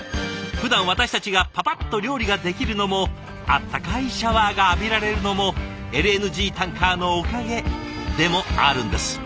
ふだん私たちがパパッと料理ができるのも温かいシャワーが浴びられるのもＬＮＧタンカーのおかげでもあるんです。